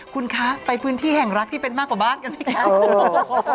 คุณคะไปพื้นที่แห่งรักที่เป็นมากกว่าบ้านกันไหมคะ